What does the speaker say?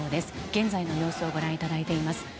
現在の様子をご覧いただいています。